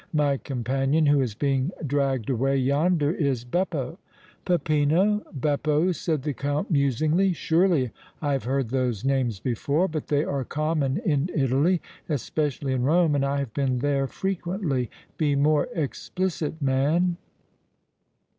"My companion who is being dragged away yonder is Beppo." "Peppino? Beppo?" said the Count, musingly. "Surely I have heard those names before, but they are common in Italy, especially in Rome, and I have been there frequently. Be more explicit, man."